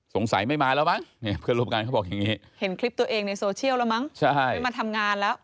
สงสัยไม่มาแล้วมั้งเนี่ยเพื่อนร่วมงานเขาบอกอย่างนี้เห็นคลิปตัวเองในโซเชียลแล้วมั้งไม่มาทำงานแล้ว